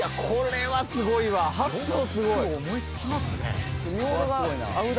これはすごいわヤス。